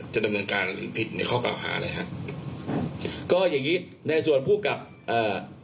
จะดำเนินการหรือผิดในข้อกล่าวหาอะไรฮะก็อย่างงี้ในส่วนผู้กับเอ่อ